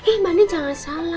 eh mbak andi jangan salah